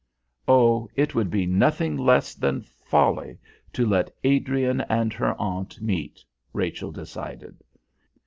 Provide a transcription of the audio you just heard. Oh! it would be nothing less than folly to let Adrian and her aunt meet, Rachel decided.